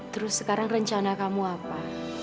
terus sekarang rencana kamu apa